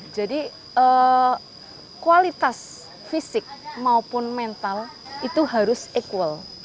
jadi kualitas fisik maupun mental itu harus equal